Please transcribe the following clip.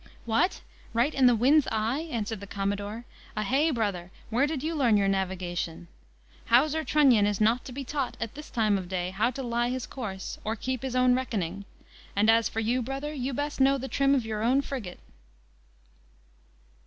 "What? right in the wind's eye?" answered the commodore; "ahey! brother, where did you learn your navigation? Hawser Trunnion is not to be taught at this time of day how to lie his course, or keep his own reckoning. And as for you, brother, you best know the trim of your own frigate."